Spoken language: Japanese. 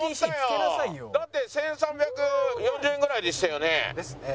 だって１３４０円ぐらいでしたよね？ですね。